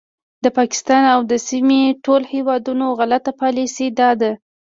د پاکستان او د سیمې ټولو هیوادونو غلطه پالیسي دا ده